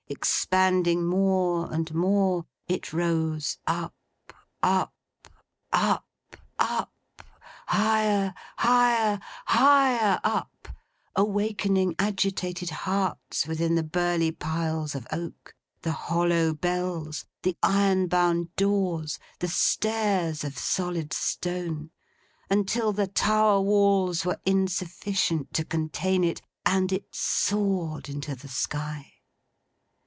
Expanding more and more, it rose up, up; up, up; higher, higher, higher up; awakening agitated hearts within the burly piles of oak: the hollow bells, the iron bound doors, the stairs of solid stone; until the tower walls were insufficient to contain it, and it soared into the sky.